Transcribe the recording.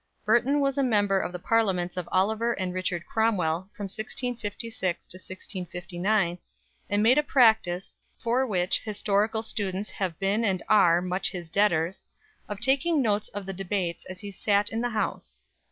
Burton was a member of the Parliaments of Oliver and Richard Cromwell from 1656 to 1659, and made a practice for which historical students have been and are much his debtors of taking notes of the debates as he sat in the House.